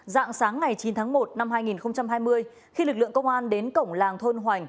dạng sáng ngày chín tháng một năm hai nghìn hai mươi khi lực lượng công an đến cổng làng thôn hoành